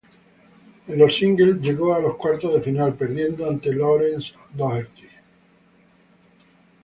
En los singles, llegó a los cuartos de final, perdiendo ante Laurence Doherty.